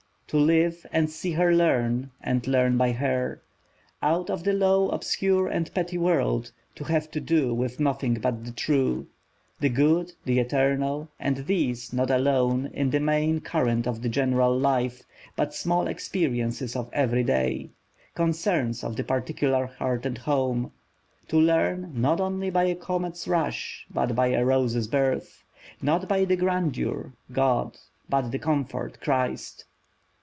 To live, and see her learn, and learn by her, Out of the low obscure and petty world.... To have to do with nothing but the true, The good, the eternal and these, not alone, In the main current of the general life, But small experiences of every day, Concerns of the particular hearth and home: To learn not only by a comet's rush But a rose's birth, not by the grandeur, God But the comfort, Christ."